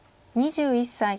２１歳。